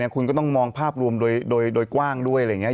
คุณก็ต้องมองภาพรวมโดยกว้างด้วยอะไรอย่างนี้